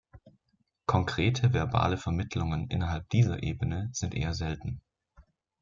Konkrete verbale Vermittlungen innerhalb dieser Ebene sind eher selten.